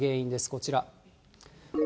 こちら。